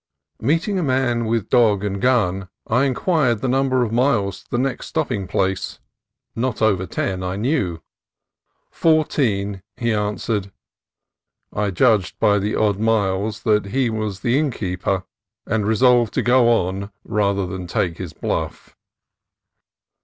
Meeting a man with dog and gun, I inquired the number of miles to the next stopping place, not over ten, I knew. "Fourteen," he an swered. I judged by the odd miles that he was the innkeeper, and resolved to go on rather than take his bluff.